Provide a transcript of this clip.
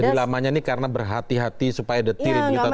jadi lamanya ini karena berhati hati supaya detilin mitaturannya ya